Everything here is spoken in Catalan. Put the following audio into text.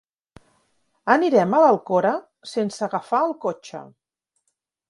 Anirem a l'Alcora sense agafar el cotxe.